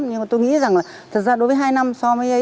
nhưng mà tôi nghĩ rằng là thật ra đối với hai năm sau mấy ấy